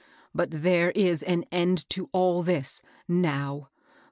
But there is an end to all this, now.